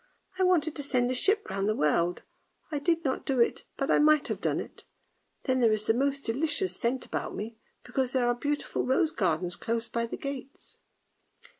I wanted to send a ship round the world, I did not do it, but I might have done it; then there is the most delicious scent about me, because there are beautiful rose gardens close by the gates!